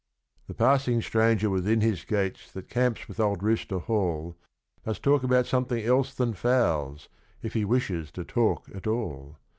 The passing stranger within his gates that camps with old Rooster Hall Must talk about something else than fowls, if he wishes to talk at all.